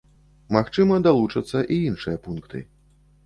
Магчыма, далучацца і іншыя пункты.